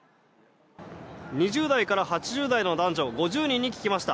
２０代から８０代の男女５０人に聞きました。